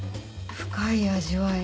深い味わい。